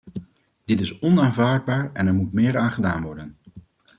Dit is onaanvaardbaar, en er moet meer aan gedaan worden.